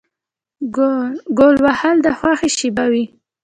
ګول وهل د خوښۍ شیبه وي.